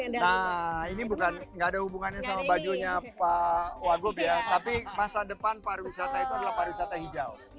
nah ini bukan nggak ada hubungannya sama bajunya pak wagub ya tapi masa depan pariwisata itu adalah pariwisata hijau